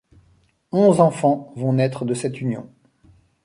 Onze enfants vont naître de cette union.